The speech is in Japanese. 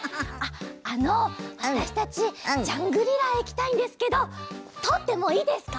あのわたしたちジャングリラへいきたいんですけどとおってもいいですか？